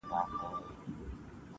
• ځاي پر ځای مړ سو سفر یې نیمه خوا سو -